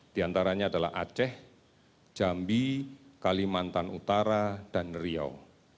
diantaranya adalah aceh jambi kalimantan utara dan riau